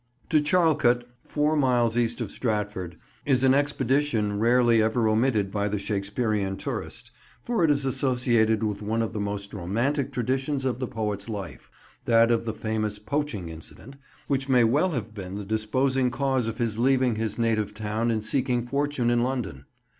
TO Charlecote, four miles east of Stratford, is an expedition rarely ever omitted by the Shakespearean tourist, for it is associated with one of the most romantic traditions of the poet's life; that of the famous poaching incident, which may well have been the disposing cause of his leaving his native town and seeking fortune in London.